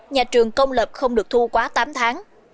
nhà trường công lập không được thu quá tám tháng